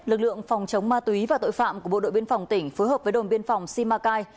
lực lượng phòng chống ma túy và tội phạm của bộ đội biên phòng tỉnh phối hợp với đồn biên phòng simacai